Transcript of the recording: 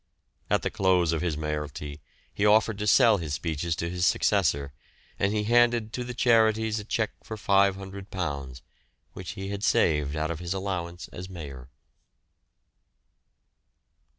At the close of his mayoralty he offered to sell his speeches to his successor, and he handed to the charities a cheque for £500, which he had saved out of his allowance as Mayor.